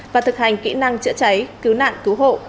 và thực hành kỹ năng chữa cháy cứu nạn cứu hộ